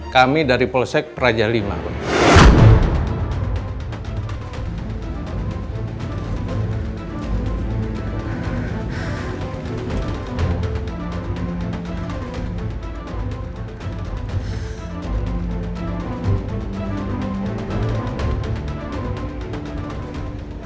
kami dari polsek praja v